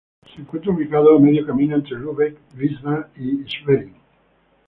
Se encuentra ubicado a medio camino entre Lübeck, Wismar y Schwerin.